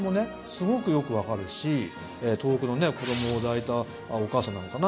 すごくよく分かるし遠くのね子どもを抱いたお母さんなのかな？